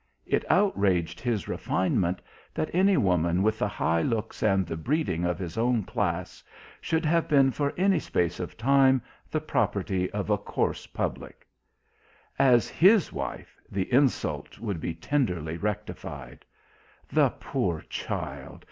It outraged his refinement that any woman with the high looks and the breeding of his own class should have been for any space of time the property of a coarse public. As his wife, the insult should be tenderly rectified.... "The poor child!